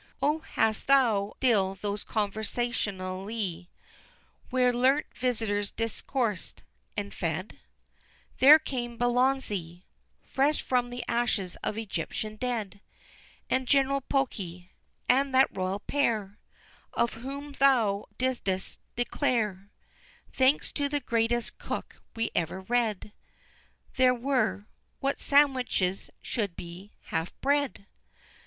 V. Oh, hast thou still those Conversazioni, Where learned visitors discoursed and fed? There came Belzoni, Fresh from the ashes of Egyptian dead And gentle Poki and that Royal Pair, Of whom thou didst declare "Thanks to the greatest Cooke we ever read They were what Sandwiches should be half bred"!